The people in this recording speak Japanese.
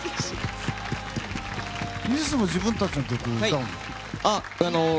ミセスも自分たちの曲歌うの？